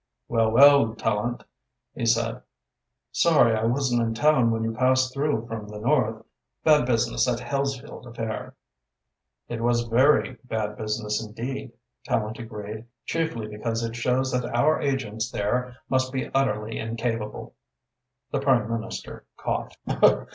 "Well, well, Tallente," he said, "sorry I wasn't in town when you passed through from the north. Bad business, that Hellesfield affair." "It was a very bad business indeed," Tallente agreed, "chiefly because it shows that our agents there must be utterly incapable." The Prime Minister coughed.